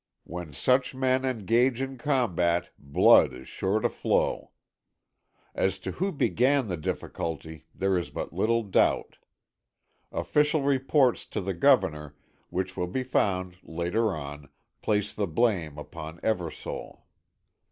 When such men engage in combat blood is sure to flow. As to who began the difficulty there is but little doubt. Official reports to the Governor, which will be found later on, place the blame upon Eversole.